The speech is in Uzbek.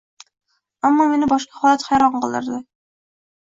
Ammo meni boshqa holat hayron qoldirdi